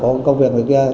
có công việc ở kia